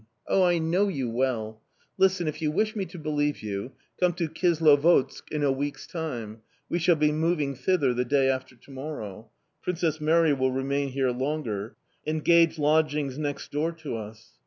Oh, I know you well! Listen if you wish me to believe you, come to Kislovodsk in a week's time; we shall be moving thither the day after to morrow. Princess Mary will remain here longer. Engage lodgings next door to us.